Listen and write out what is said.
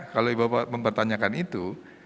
kalau ibu bapak mempertanyakan itu